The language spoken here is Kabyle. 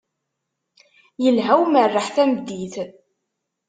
Ilha umerreḥ tameddit.